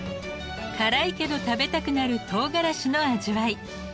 辛いけど食べたくなるとうがらしの味わい。